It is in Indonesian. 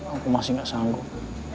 aku masih gak sanggup